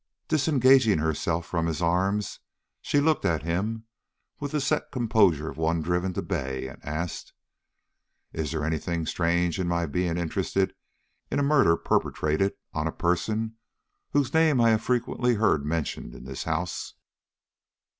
Disengaging herself from his arms, she looked at him with the set composure of one driven to bay, and asked: "Is there any thing strange in my being interested in a murder perpetrated on a person whose name I have frequently heard mentioned in this house?"